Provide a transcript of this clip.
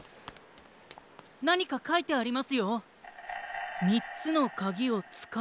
なにかかいてありますよ。